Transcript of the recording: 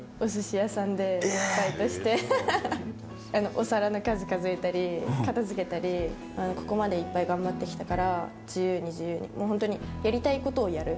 お皿の数、数えたり、片づけたり、ここまでいっぱい頑張ってきたから、自由に自由に、もう本当にやりたいことをやる。